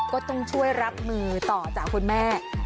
ก็ต้องช่วยรับมือต่อจากคุณแม่